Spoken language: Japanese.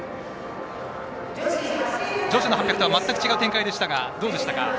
女子の８００とは全く違う展開でしたがどうですか。